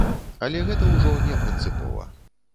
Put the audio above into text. Але гэта ўжо не прынцыпова.